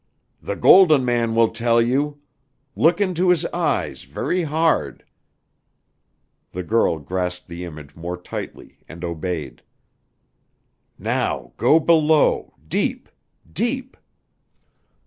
"The Golden Man will tell you. Look into his eyes very hard." The girl grasped the image more tightly and obeyed. "Now go below, deep deep."